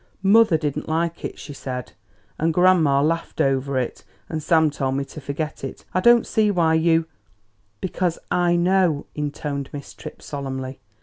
"Mother didn't like it," she said, "and grandma laughed over it, and Sam told me to forget it; I don't see why you " "Because I know," intoned Miss Tripp solemnly.